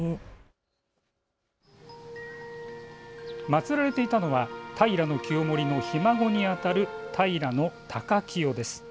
祭られていたのは平清盛のひ孫にあたる平高清です。